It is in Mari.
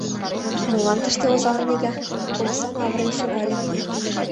Молан тыште озаланеда? — омсам авырен шогале.